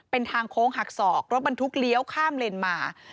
เป็นทางโค้งหักศอกรถบรรทุกเลี้ยวข้ามเลนมา